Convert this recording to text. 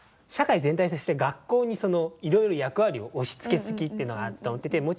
社会全体として学校にいろいろ役割を押しつけ過ぎっていうのがあると思ってて。